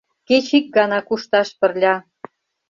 Кеч ик гана кушташ пырля».